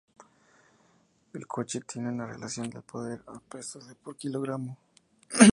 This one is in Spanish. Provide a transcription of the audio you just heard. El coche tiene una relación del poder-a-peso de por kilogramo.